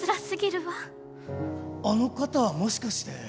あの方はもしかして。